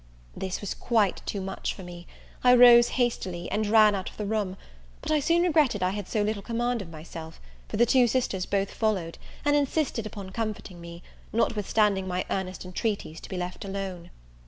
This was quite too much for me; I rose hastily, and ran out of the room: but I soon regretted I had so little command of myself; for the two sisters both followed, and insisted upon comforting me, notwithstanding my earnest intreaties to be left alone.